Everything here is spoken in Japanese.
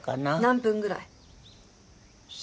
何分くらい？